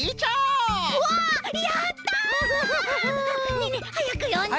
ねえねえはやくよんで！